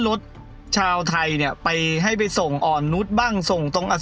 สุดท้ายก็ไม่มีทางเลือกที่ไม่มีทางเลือก